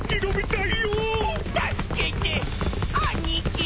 助けて兄貴！